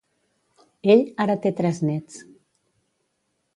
Ell ara té tres nets.